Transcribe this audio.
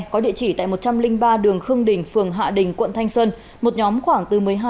có địa chỉ tại một trăm linh ba đường khương đình phường hạ đình quận thanh xuân